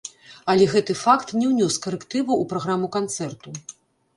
Але гэты факт не ўнёс карэктываў у праграму канцэрту.